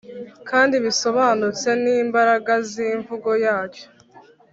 kandi bisobanutse n'imbaraga z'imvugo yacyo.